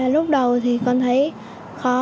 lúc đầu thì con thấy khó